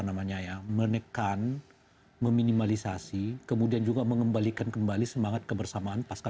namanya ya menekan meminimalisasi kemudian juga mengembalikan kembali semangat kebersamaan pasca